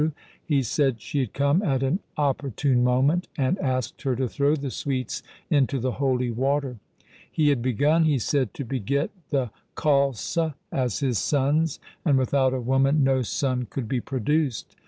He said she had come at an opportune moment, and asked her to throw the sweets into the holy water. He had begun, he said, to beget the Khalsa 1 as his sons, and without a woman no son could be produced.